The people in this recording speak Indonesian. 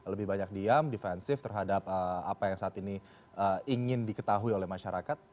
lebih banyak diam defensif terhadap apa yang saat ini ingin diketahui oleh masyarakat